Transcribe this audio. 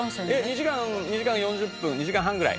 「２時間２時間４０分２時間半ぐらい。